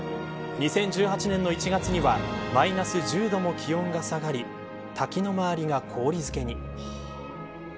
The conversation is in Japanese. ２０１８年の１月にはマイナス１０度も気温が下がり滝の周りが氷漬けに。